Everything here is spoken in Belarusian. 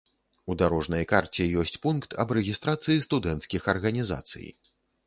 У дарожнай карце ёсць пункт аб рэгістрацыі студэнцкіх арганізацый.